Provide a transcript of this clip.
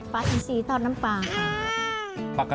ปลาอิงซีทอดน้ำปลาค่ะ